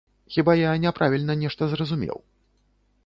Хіба я не правільна нешта зразумеў?